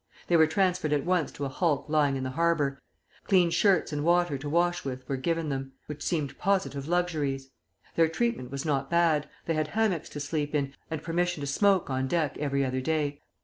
They were transferred at once to a hulk lying in the harbor, clean shirts and water to wash with were given them, which seemed positive luxuries. Their treatment was not bad; they had hammocks to sleep in, and permission to smoke on deck every other day.